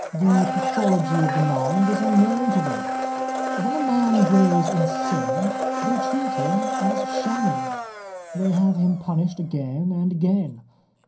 The pathology of the mind is unknown to them. When a man grows insane, they treat him as shamming. They have him punished again and again.